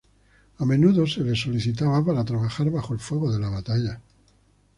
A menudo se les solicitaba para trabajar bajo el fuego de la batalla.